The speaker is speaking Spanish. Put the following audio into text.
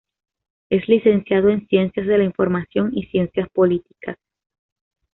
Es licenciado en Ciencias de la información y Ciencias Políticas.